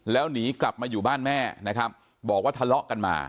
แล้วหนีกลับมาอยู่บ้านแม่นะครับบอกว่าทะเลาะกันมา